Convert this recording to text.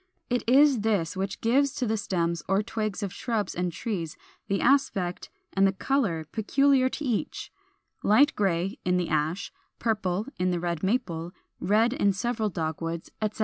It is this which gives to the stems or twigs of shrubs and trees the aspect and the color peculiar to each, light gray in the Ash, purple in the Red Maple, red in several Dogwoods, etc.